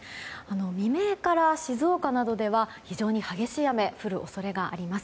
未明から静岡などでは非常に激しい雨が降る恐れがあります。